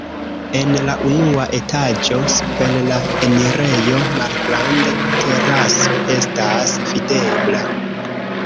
En la unua etaĝo super la enirejo malgranda teraso estas videbla.